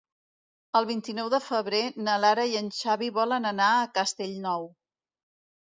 El vint-i-nou de febrer na Lara i en Xavi volen anar a Castellnou.